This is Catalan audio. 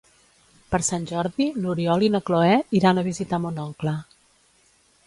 Per Sant Jordi n'Oriol i na Cloè iran a visitar mon oncle.